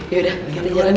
yaudah kita jalanin